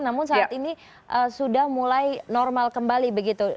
namun saat ini sudah mulai normal kembali begitu